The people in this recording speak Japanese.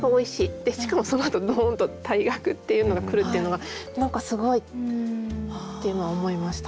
でしかもそのあとドーンと「退学」っていうのが来るっていうのが何かすごいっていうのは思いました。